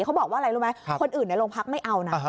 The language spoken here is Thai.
เขาบอกว่าอะไรรู้ไหมคนอื่นในโรงพักไม่เอานะ